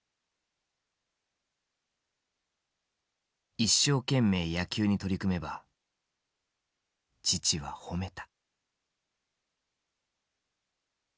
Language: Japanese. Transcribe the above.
一生懸命野球に取り組めば父は褒めた。